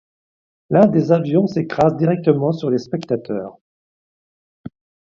L'un des avions s'écrase directement sur les spectateurs.